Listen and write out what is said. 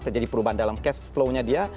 terjadi perubahan dalam cash flow nya dia